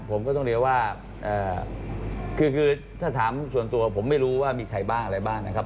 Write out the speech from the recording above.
ผมก็ต้องเรียกว่าคือถ้าถามส่วนตัวผมไม่รู้ว่ามีใครบ้างอะไรบ้างนะครับ